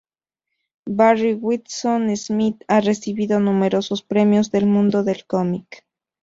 Barry Windsor-Smith ha recibido numerosos premios del mundo del cómic.